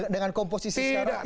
dengan komposisi secara tidak fair